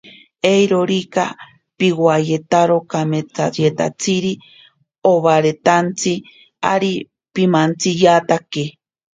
Eirorika piwayetaro kametsayetatsiri obaretantsi, ari pimantsiyatake.